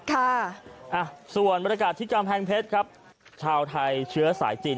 ค่ะอ่าส่วนบริการธิกรรมแพงเพชรครับชาวไทยเชื้อสายจีน